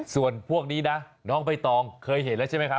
ส่วนพวกนี้นะน้องใบตองเคยเห็นแล้วใช่ไหมครับ